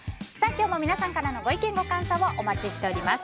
今日も皆様からのご意見ご感想をお待ちしております。